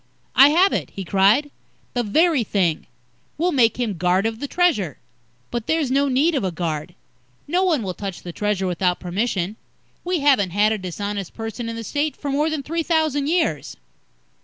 "I have it," he cried. "The very thing. We'll make him guard of the Treasure." "But there's no need of a guard. No one will touch the Treasure without permission. We haven't had a dishonest person in the State for more than three thousand years."